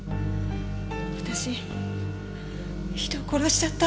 私人を殺しちゃった。